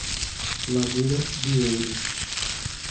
Lagoa do Ouro